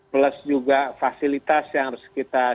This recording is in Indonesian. plus juga fasilitas yang harus kita